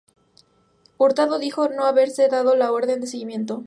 Hurtado dijo no haberse dado la orden de seguimiento.